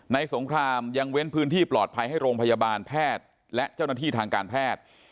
สงครามยังเว้นพื้นที่ปลอดภัยให้โรงพยาบาลแพทย์และเจ้าหน้าที่ทางการแพทย์